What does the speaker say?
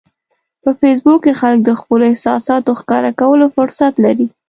په فېسبوک کې خلک د خپلو احساساتو ښکاره کولو فرصت لري